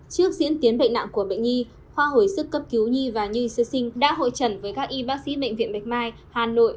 trước diễn biến bệnh nặng của bệnh nhi khoa hồi sức cấp cứu nhi và nhi sơ sinh đã hội trần với các y bác sĩ bệnh viện bạch mai hà nội